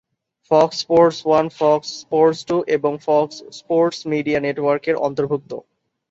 Fox Sports one, Fox Sports two এবং Fox Sports media network এর অন্তর্ভুক্ত।